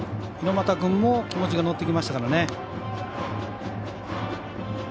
猪俣君も気持ちが乗ってきましたからね。